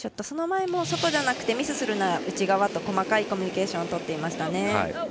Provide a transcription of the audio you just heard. その前も外じゃなくてミスするなら内側と細かいコミュニケーションを取っていました。